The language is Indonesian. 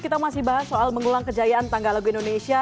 kita masih bahas soal mengulang kejayaan tangga lagu indonesia